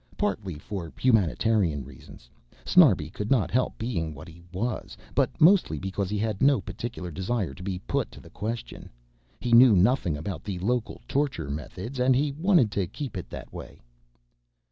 Partly for humanitarian reasons, Snarbi could not help being what he was, but mostly because he had no particular desire to be put to the question. He knew nothing about the local torture methods, and he wanted to keep it that way.